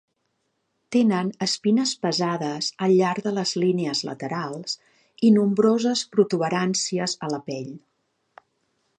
Tenen espines pesades al llarg de les línies laterals i nombroses protuberàncies a la pell.